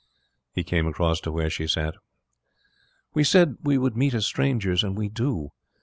He came across to where she sat. 'We said we would meet as strangers, and we do.